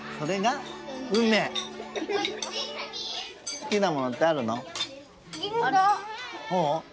すきなものってあるの？